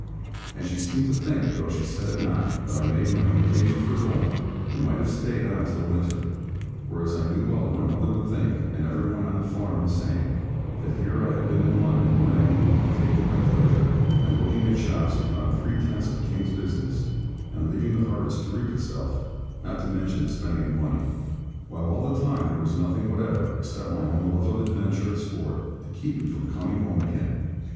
And she seemed to think, though she said it not, that I made my own occasion for going, and might have stayed on till the winter. Whereas I knew well that my mother would think (and every one on the farm the same) that here I had been in London, lagging, and taking my pleasure, and looking at shops, upon pretence of King's business, and leaving the harvest to reap itself, not to mention the spending of money; while all the time there was nothing whatever, except my own love of adventure and sport, to keep me from coming home again.